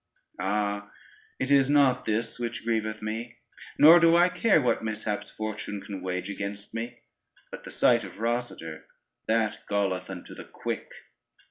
Ah, it is not this which grieveth me, nor do I care what mishaps Fortune can wage against me, but the sight of Rosader that galleth unto the quick.